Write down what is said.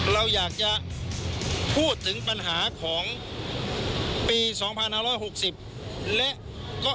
ก็แนนคุณแนนล่ะครับ